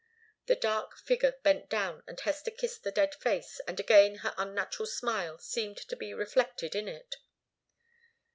The dark figure bent down and Hester kissed the dead face, and again her unnatural smile seemed to be reflected in it.